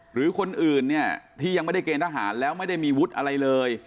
หรือคนอื่นเนี่ยที่ยังไม่ได้เกณฑหารแล้วไม่ได้มีวุฒิอะไรเลย